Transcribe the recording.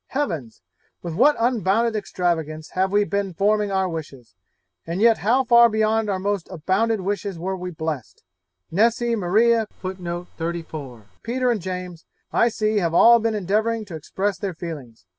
Heavens! with what unbounded extravagance have we been forming our wishes! and yet how far beyond our most unbounded wishes we are blest! Nessy, Maria, Peter, and James, I see, have all been endeavouring to express their feelings.